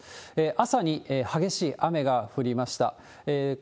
朝に激しい雨が降りました。